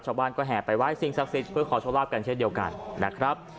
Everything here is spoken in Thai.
ชาวบ้านก็แห่ไปไห้สิ่งศักดิ์สิทธิ์เพื่อขอโชคลาภกันเช่นเดียวกันนะครับ